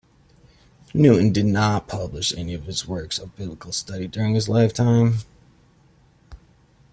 Newton did not publish any of his works of biblical study during his lifetime.